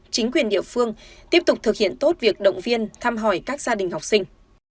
chính quyền địa phương tiếp tục thực hiện tốt việc động viên thăm hỏi các gia đình học sinh